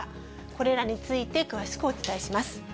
これらについて詳しくお伝えします。